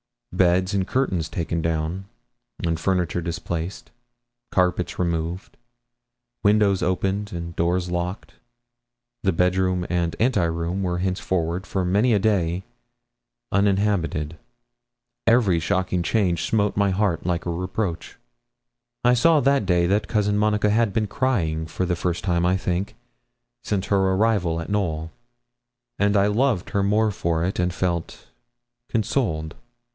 Beds and curtains taken down, and furniture displaced; carpets removed, windows open and doors locked; the bedroom and anteroom were henceforward, for many a day, uninhabited. Every shocking change smote my heart like a reproach. I saw that day that Cousin Monica had been crying for the first time, I think, since her arrival at Knowl; and I loved her more for it, and felt consoled.